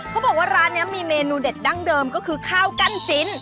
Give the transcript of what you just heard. เขาบอกว่าร้านนี้มีเมนูเด็ดดั้งเดิมก็คือข้าวกั้นจิ้น